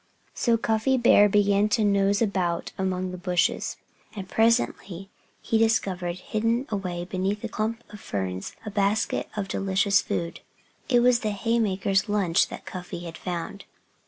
So Cuffy Bear began to nose about among the bushes. And presently he discovered, hidden away beneath a clump of ferns, a basket of delicious food. It was the haymakers' lunch that Cuffy had found.